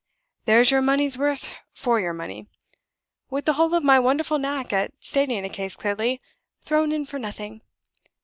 There's your money's worth for your money with the whole of my wonderful knack at stating a case clearly, thrown in for nothing.